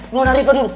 lu orang arifah dulu